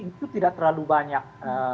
itu tidak terlalu banyak